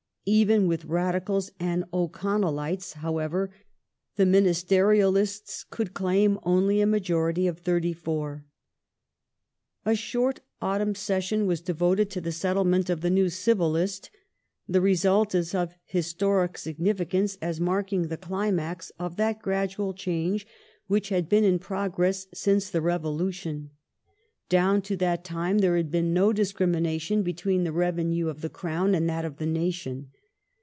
Even with Radicals and O'Connellites, however, the Ministerialists could claim only a majority of 34. The new A short autumn session was devoted to the settlement of the Civil List jjg^ Qjyji Ljg^ 'pj^g result is of historic significance, as marking the climax of the gradual change which had been in progress since the Revolution. Down to that time there had been no discrimina tion between the revenue of the Crown and that of the nation.